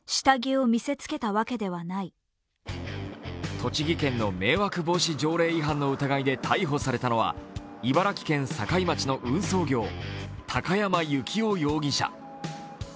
栃木県の迷惑防止条例違反の疑いで逮捕されたのは茨城県境町の運送業・高山幸夫容疑者。